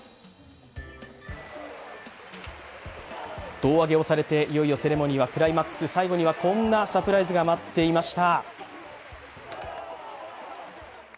胴上げをされていよいよセレモニーはクライマックス最後にはこんなサプライズが待っていました。